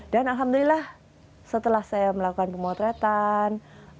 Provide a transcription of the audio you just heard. dan alhamdulillah setelah saya melakukan pemotretan